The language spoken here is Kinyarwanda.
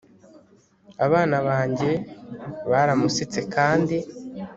abana banjye baramusetse kandi